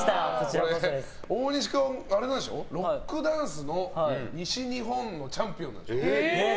大西君はロックダンスの西日本のチャンピオンなんでしょ。